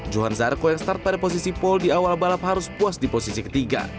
johan zarco yang start pada posisi pole di awal balap harus puas di posisi ketiga